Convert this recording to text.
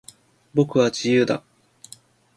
僕は、自由だ。